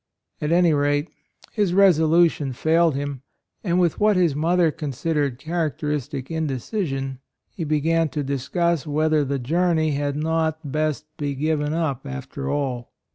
At any rate, his resolution failed him ; and, with what his mother considered characteristic indecision, he began to discuss whether the journey had not best be given up, after all.